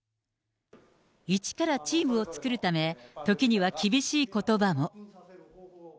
一からチームを作るため、時には厳しいことばも。